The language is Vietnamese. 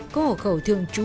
có hộ khẩu thường trú